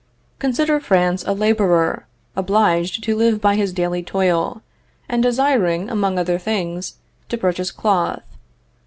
Consider France a laborer, obliged to live by his daily toil, and desiring, among other things, to purchase cloth.